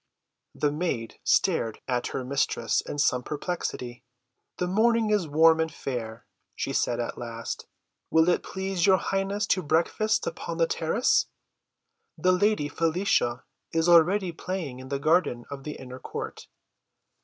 The maid stared at her mistress in some perplexity. "The morning is warm and fair," she said at last. "Will it please your highness to breakfast upon the terrace? The lady Felicia is already playing in the garden of the inner court."